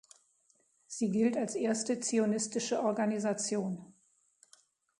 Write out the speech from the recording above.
Sie gilt als erste zionistische Organisation.